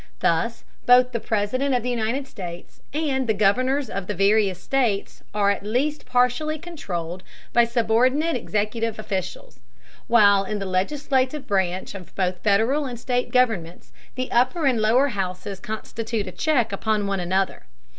Thus both the President of the United States and the governors of the various states are at least partially controlled by subordinate executive officials, while in the legislative branch of both Federal and state governments the upper and lower houses constitute a check upon one another.